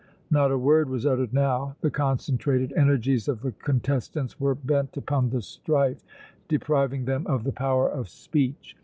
Not a word was uttered now. The concentrated energies of the contestants were bent upon the strife, depriving them of the power of speech.